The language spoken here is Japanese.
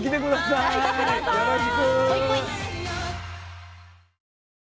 よろしく。